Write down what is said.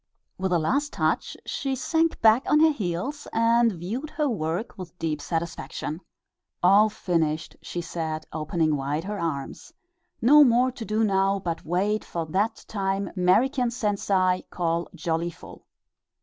With a last touch she sank back on her heels and viewed her work with deep satisfaction. "All finished," she said, opening wide her arms; "no more to do now but wait for that time 'Merican sensei call jollyful!"